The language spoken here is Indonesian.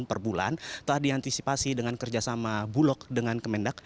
per bulan telah diantisipasi dengan kerjasama bulog dengan kemendak